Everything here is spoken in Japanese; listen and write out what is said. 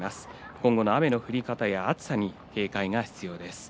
今後の雨の降り方や暑さに警戒が必要です。